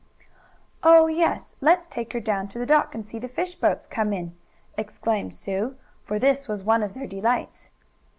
"Oh, yes, let's take her down to the dock and see the fish boats come in!" exclaimed Sue, for this was one of their delights.